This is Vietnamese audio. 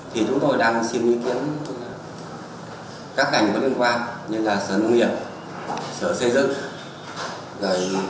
thì chúng tôi đang xin ý kiến các ngành có liên quan như là sở nông nghiệp sở xây dựng